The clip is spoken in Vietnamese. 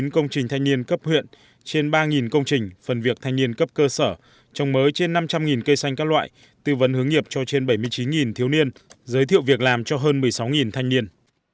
một mươi công trình thanh niên cấp huyện trên ba công trình phần việc thanh niên cấp cơ sở trồng mới trên năm trăm linh cây xanh các loại tư vấn hướng nghiệp cho trên bảy mươi chín thiếu niên giới thiệu việc làm cho hơn một mươi sáu thanh niên